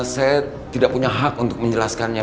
saya tidak punya hak untuk menjelaskannya